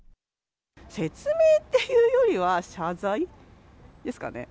説明っていうよりは、謝罪ですかね。